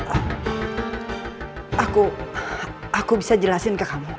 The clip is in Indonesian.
aku aku bisa jelasin ke kamu